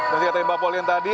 dan seperti yang pak pauline tadi